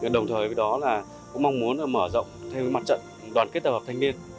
đồng thời với đó là cũng mong muốn mở rộng theo mặt trận đoàn kết tập hợp thanh niên